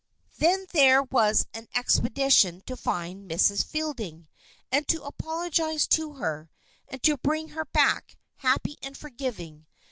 Then there was an expedition to find Mrs. Fielding, and to apologize to her, and to bring her back, happy and forgiving.